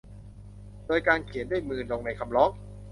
โดยการเขียนด้วยมือลงในคำร้อง